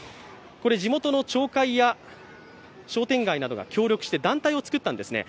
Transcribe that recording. これ、地元の町会や、商店街などが協力をして団体をつくったんですね。